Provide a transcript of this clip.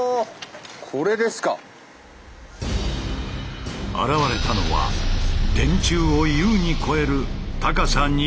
これですか⁉現れたのは電柱をゆうに超える高さ２０ｍの鉄塔。